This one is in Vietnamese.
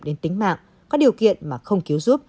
đến tính mạng có điều kiện mà không cứu giúp